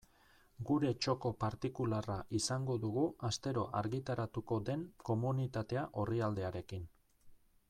Gure txoko partikularra izango dugu astero argitaratuko den Komunitatea orrialdearekin.